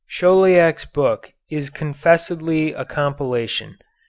Chauliac's book is confessedly a compilation.